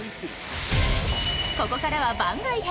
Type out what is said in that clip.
ここからは番外編。